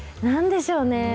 なんでしょうね。